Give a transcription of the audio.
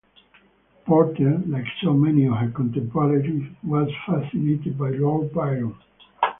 Porter, like so many of her contemporaries, was fascinated by Lord Byron.